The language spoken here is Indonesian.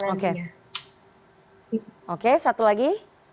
oke satu lagi